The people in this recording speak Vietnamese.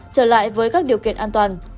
trở lại với các điều kiện an toàn